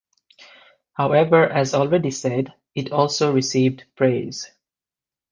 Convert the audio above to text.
However, as already said, it also received praise.